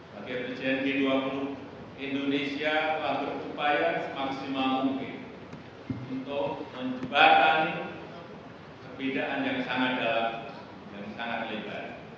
pada kebijakan g dua puluh indonesia telah berupaya semaksimal mungkin untuk menyebabkan kebedaan yang sangat dalam yang sangat lebar